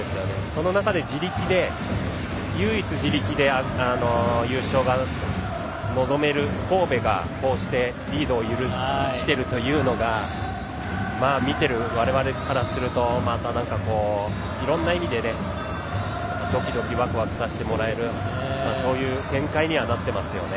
その中で唯一、自力で優勝が望める神戸がこうしてリードを許しているというのが見てる我々からするとまた、いろんな意味でドキドキ、ワクワクさせてもらえるそういう展開にはなっていますね。